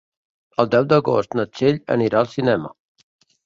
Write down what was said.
El deu d'agost na Txell anirà al cinema.